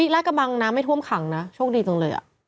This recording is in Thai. ลาดกระบังน้ำไม่ท่วมขังนะโชคดีจังเลย